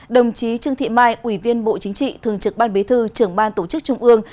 đồng chí trương thị mai ủy viên bộ chính trị thường trực ban bế thư trưởng ban tổ chức trung ương